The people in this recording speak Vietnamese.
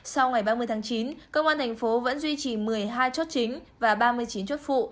sau ngày ba mươi tháng chín công an thành phố vẫn duy trì một mươi hai chốt chính và ba mươi chín chốt phụ